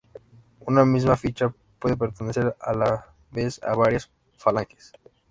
Una misma ficha puede pertenecer a la vez a varias falanges.